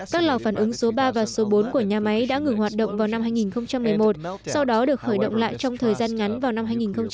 các lò phản ứng số ba và số bốn của nhà máy đã ngừng hoạt động vào năm hai nghìn một mươi một sau đó được khởi động lại trong thời gian ngắn vào năm hai nghìn một mươi bảy